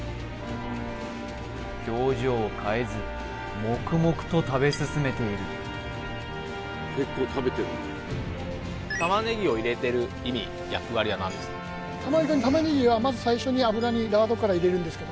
表情を変えず黙々と食べ進めている玉ねぎを入れてる意味役割は何ですか？